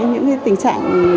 những tình trạng